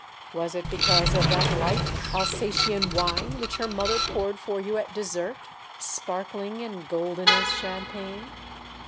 Was it because of that hght Alsatian wine which her mother poured for you at dessert, sparkling and golden as champagne?